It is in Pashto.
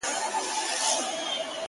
مُلا بیا ویل زه خدای یمه ساتلی!